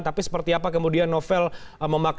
tapi seperti apa kemudian novel memaknai kepulangan